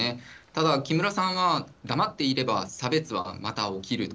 ただ、木村さんは黙っていれば差別はまた起きる。